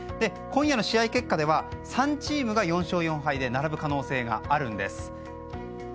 今夜の試合結果では、３チームが４勝４敗で並ぶ可能性があるんです。